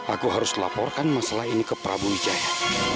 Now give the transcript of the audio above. aku harus laporkan masalah ini ke prabu wijaya